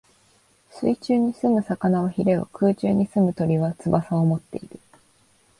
水中に棲む魚は鰭を、空中に棲む鳥は翅をもっている。